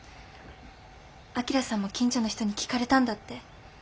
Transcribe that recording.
旭さんも近所の人に聞かれたんだって。